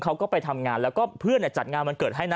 เขาก็ไปทำงานแล้วก็เพื่อนจัดงานวันเกิดให้นะ